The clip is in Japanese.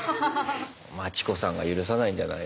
マチコさんが許さないんじゃない？